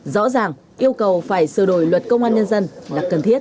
rõ ràng yêu cầu phải sửa đổi luật công an nhân dân là cần thiết